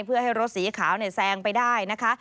เพื่อให้รถสีขาวแซงไปได้นะคะ